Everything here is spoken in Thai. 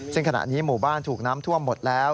ซึ่งขณะนี้หมู่บ้านถูกน้ำท่วมหมดแล้ว